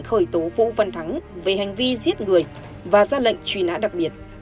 khởi tố vũ văn thắng về hành vi giết người và ra lệnh truy nã đặc biệt